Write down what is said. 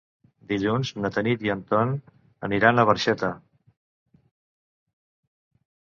Dilluns na Tanit i en Ton aniran a Barxeta.